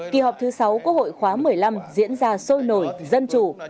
kỳ họp thứ sáu quốc hội khóa một mươi năm diễn ra sôi nổi dân chủ